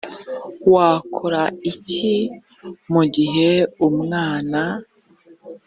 wakora iki mu gihe umwana